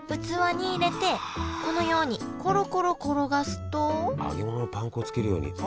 器に入れてこのようにコロコロ転がすと揚げ物をパン粉つけるように。